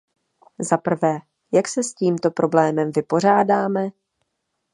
Zaprvé, jak se s tímto problémem vypořádáme?